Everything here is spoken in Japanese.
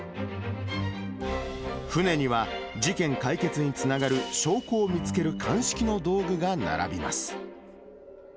船には事件解決につながる証拠を見つける鑑識の道具が並びます。